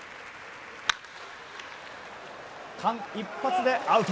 間一髪でアウト。